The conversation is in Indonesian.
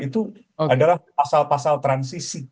itu adalah pasal pasal transisi